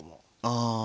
あ。